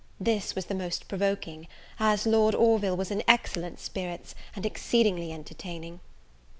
This was the most provoking, as Lord Orville was in excellent spirits, and exceedingly entertaining.